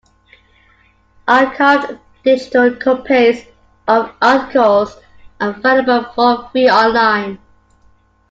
Archived digital copies of articles are available for free online.